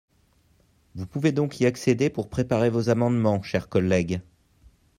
Vous pouvez donc y accéder pour préparer vos amendements, chers collègues.